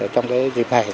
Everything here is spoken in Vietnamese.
trong cái dịp hải